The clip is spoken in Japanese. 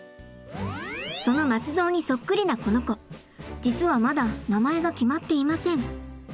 その松蔵にそっくりなこの子実はまだ名前が決まっていません。